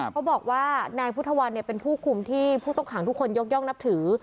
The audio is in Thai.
เขาบอกว่านายพุทธวันเป็นผู้คุมที่ผู้ต้องขังทุกคนยกย่องนับถือ